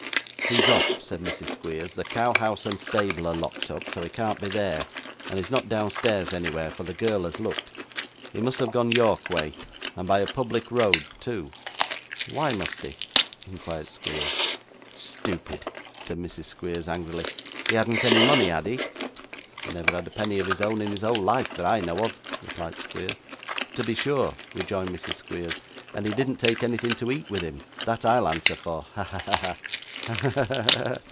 'He is off,' said Mrs. Squeers. 'The cow house and stable are locked up, so he can't be there; and he's not downstairs anywhere, for the girl has looked. He must have gone York way, and by a public road too.' 'Why must he?' inquired Squeers. 'Stupid!' said Mrs. Squeers angrily. 'He hadn't any money, had he?' 'Never had a penny of his own in his whole life, that I know of,' replied Squeers. 'To be sure,' rejoined Mrs. Squeers, 'and he didn't take anything to eat with him; that I'll answer for. Ha! ha! ha!' 'Ha! ha! ha!